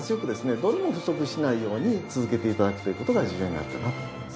どれも不足しないように続けて頂くという事が重要になるかなと思います。